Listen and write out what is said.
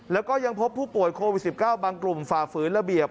แล้วก็ยังพบผู้ป่วยโควิด๑๙บางกลุ่มฝ่าฝืนระเบียบ